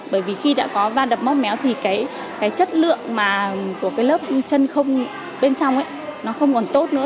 bởi vì khi đã có va đập móp méo thì cái chất lượng của cái lớp chân không bên trong nó không còn tốt nữa